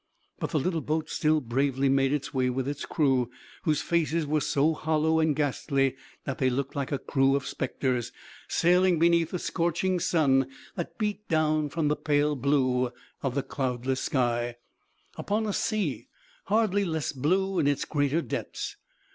But the little boat still bravely made its way with its crew, whose faces were so hollow and ghastly that they looked like a crew of spectres, sailing beneath the scorching sun that beat down from the pale blue of the cloudless sky upon a sea hardly less blue in its greater depths.